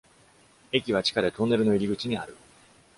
駅は地下で、トンネルの入り口にある。